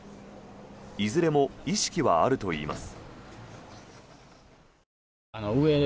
いずれも意識はあるといいます。